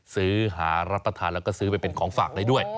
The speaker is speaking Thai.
ซื้อหารับประทานแล้วก็ซื้อไปเป็นของฝากได้ด้วย